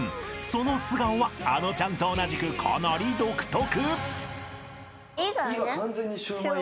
［その素顔はあのちゃんと同じくかなり独特］